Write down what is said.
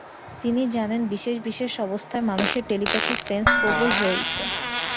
তিনি জানেন, বিশেষ-বিশেষ অবস্থায় মানুষের টেলিপ্যাথিক সেন্স প্রবল হয়ে ওঠে।